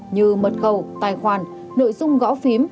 như mật khẩu tài khoản nội dung gõ phím